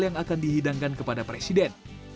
yang akan dihidangkan kepada presiden